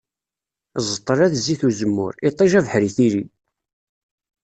Ẓẓeṭla d zzit uzemmur, iṭij abeḥri tili.